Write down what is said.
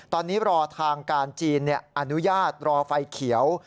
ตอนนี้รอทางการจีนอนุญาตรอไฟเขียว